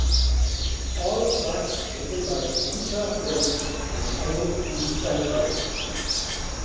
All tracks written by Utah Phillips and Ani DiFranco.